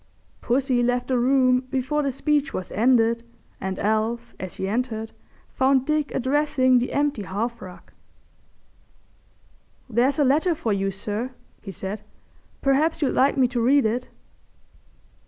Pussy left the room before the speech was ended, and Alf, as he entered, found Dick addressing the empty hearth rug. "There's a letter for you, sir," he said. "Perhaps you'd like me to read it."